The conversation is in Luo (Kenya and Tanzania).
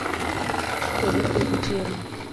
Odeko gi chiemo